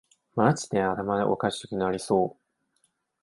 マジで頭おかしくなりそう